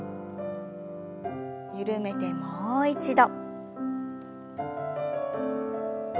緩めてもう一度。